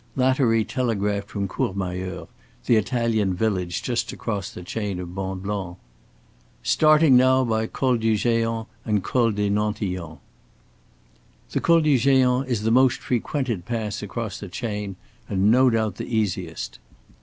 Lattery telegraphed from Courmayeur, the Italian village just across the chain of Mont Blanc: "Starting now by Col du Géant and Col des Nantillons." The Col du Géant is the most frequented pass across the chain, and no doubt the easiest.